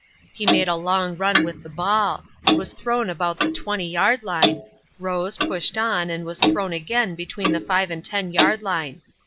He made a long run with the ball; was thrown about the 20 yard line; rose, pushed on and was thrown again between the 5 and 10 yard line.